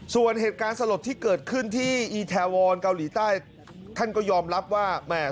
ส่วนเหตุการณ์สลดที่เกิดขึ้นที่อีแทวอนเกาหลีใต้ท่านก็ยอมรับว่าแหม่